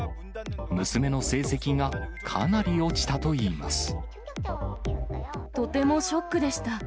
娘の成績がかなり落ちたといいまとてもショックでした。